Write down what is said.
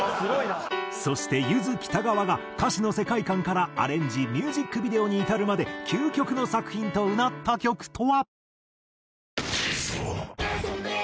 そしてゆず北川が歌詞の世界観からアレンジミュージックビデオに至るまで究極の作品とうなった曲とは。